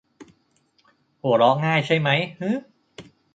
หัวเราะง่ายใช่ไหม ฮือ ?